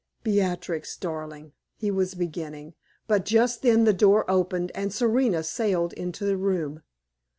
"Beatrix, darling," he was beginning; but just then the door opened and Serena sailed into the room.